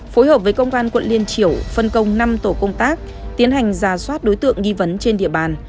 phối hợp với công an quận liên triểu phân công năm tổ công tác tiến hành giả soát đối tượng nghi vấn trên địa bàn